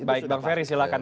baik bank wery silakan